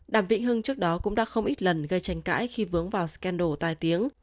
đàm vĩnh hưng trước đó cũng đã không ít lần gây tranh cãi khi vướng vào scandal tài tiếng